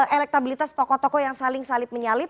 elektabilitas tokoh tokoh yang saling salit menyalit